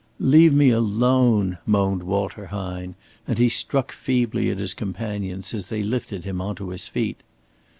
"Leave me alone," moaned Walter Hine, and he struck feebly at his companions as they lifted him on to his feet.